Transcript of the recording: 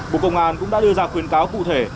bộ công an cũng đã đưa ra khuyến cáo cụ thể